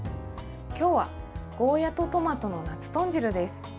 今日はゴーヤーとトマトの夏豚汁です。